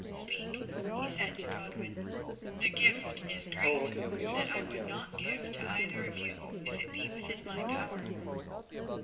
"Speak," he said to Godwin. "The gift is great that I would not give to either of you if it be within my power."